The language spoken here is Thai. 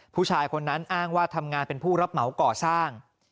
ผู้ชายคนนั้นอ้างว่าทำงานเป็นผู้รับเหมาก่อสร้าง